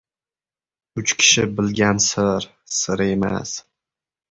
• Uch kishi bilgan sir ― sir emas.